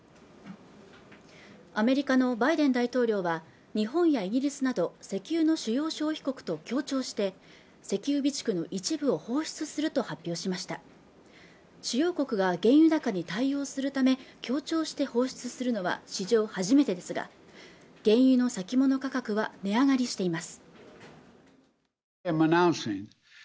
アメリカのバイデン大統領は日本やイギリスなど石油の主要消費国と協調して石油備蓄の一部を放出すると発表しました主要国が原油高に対応するため協調して放出するのは史上初めてですが原油の先物価格が値上がりしています